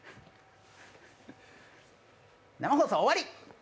生放送終わりっ！